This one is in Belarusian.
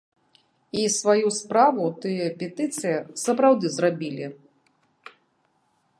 І сваю справу тыя петыцыі сапраўды зрабілі.